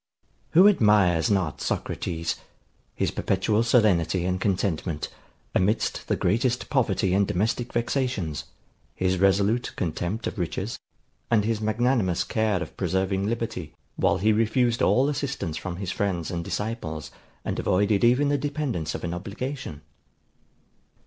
Who admires not Socrates; his perpetual serenity and contentment, amidst the greatest poverty and domestic vexations; his resolute contempt of riches, and his magnanimous care of preserving liberty, while he refused all assistance from his friends and disciples, and avoided even the dependence of an obligation?